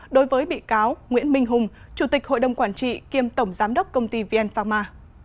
đối với bị cáo nguyễn minh hùng chủ tịch hội đồng quản trị kiêm tổng giám đốc công ty vn pharma